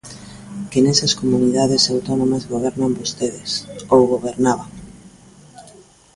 Que nesas comunidades autónomas gobernan vostedes, ou gobernaban.